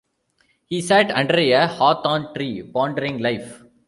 He sat under a hawthorn tree, pondering life.